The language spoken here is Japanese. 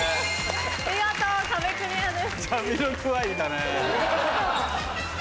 見事壁クリアです。